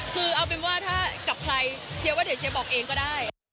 คือเอาเป็นว่าถ้ากับใครเชียร์ว่าเดี๋ยวเชียร์บอกเองก็ได้